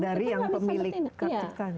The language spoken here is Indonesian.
dari yang pemilik hak ciptanya